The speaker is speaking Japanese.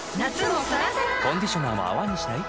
コンディショナーも泡にしない？